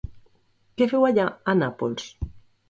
Què feu allà, a Nàpols?